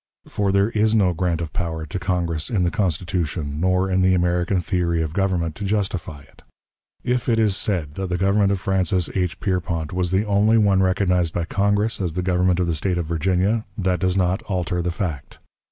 For there is no grant of power to Congress in the Constitution nor in the American theory of government to justify it. If it is said that the government of Francis H. Pierpont was the only one recognized by Congress as the government of the State of Virginia, that does not alter the fact.